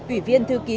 ủy viên thư ký